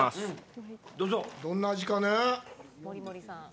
どんな味かね？